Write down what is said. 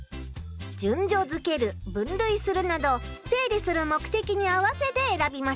順序づける分類するなど整理する目的に合わせてえらびましょう。